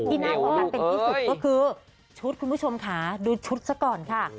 อันหน้าความคล้ายเป็นที่สุดก็คือชุดคุณผู้ชมขาดูชุดซะก่อนค่ะ